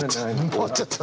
終わっちゃった。